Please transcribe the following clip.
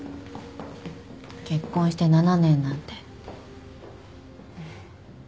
結婚して７年なんて。